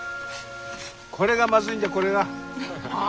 これがまずいんじゃこれが。はあ？